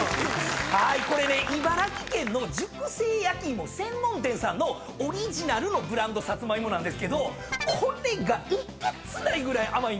これね茨城県の熟成焼き芋専門店さんのオリジナルのブランドサツマイモなんですけどこれがえげつないぐらい甘いんです。